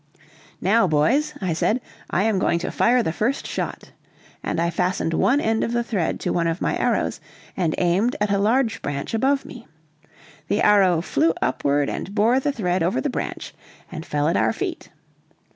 "Now, boys," I said, "I am going to fire the first shot," and I fastened one end of the thread to one of my arrows and aimed at a large branch above me. The arrow flew upward and bore the thread over the branch and fell at our feet.